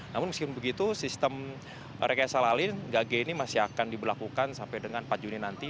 namun meskipun begitu sistem rekayasa lalin gage ini masih akan diberlakukan sampai dengan empat juni nanti